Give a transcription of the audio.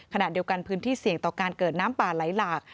ขณะเดียวกันพื้นที่เสี่ยงต่อการเกิดน้ำป่าไหลหลาก